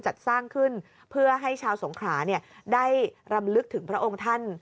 จัดสร้างขึ้นเพื่อให้ชาวสงขราได้รำลึกถึงพระองค์ท่าน